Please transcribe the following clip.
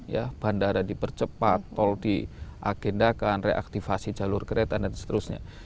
ya bandara dipercepat tol diagendakan reaktivasi jalur kereta dan seterusnya